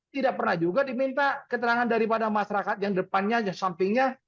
tidak pernah juga diminta keterangan daripada masyarakat yang depannya sampingnya